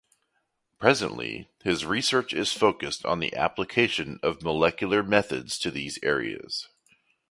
Presently his research is focused on the application of molecular methods to these areas.